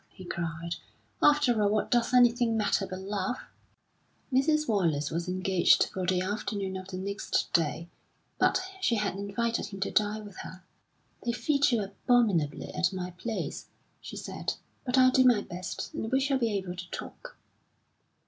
he cried. "After all, what does anything matter but love?" Mrs. Wallace was engaged for the afternoon of the next day, but she had invited him to dine with her. "They feed you abominably at my place," she said, "but I'll do my best. And we shall be able to talk."